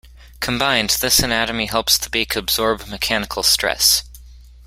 Combined, this anatomy helps the beak absorb mechanical stress.